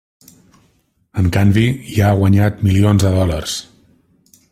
En canvi, hi ha guanyat milions de dòlars.